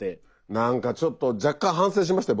何かちょっと若干反省しましたよ